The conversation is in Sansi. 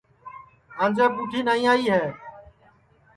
انجے پُٹھی نائی آئی ہے